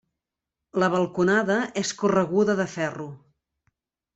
La balconada és correguda de ferro.